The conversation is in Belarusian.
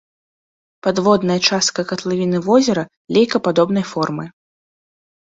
Падводная частка катлавіны возера лейкападобнай формы.